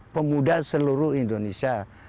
pemuda seluruh indonesia